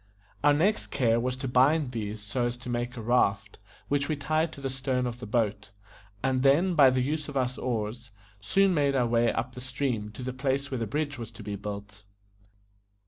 Our next care was to bind these so as to make a raft, which we tied to the stern of the boat, and then, by the use of our oars, soon made our way up the stream to the place where the bridge was to be built.